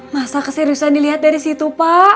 masa keseriusan dilihat dari situ pak